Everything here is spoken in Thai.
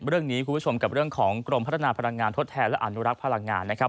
คุณผู้ชมกับเรื่องของกรมพัฒนาพลังงานทดแทนและอนุรักษ์พลังงานนะครับ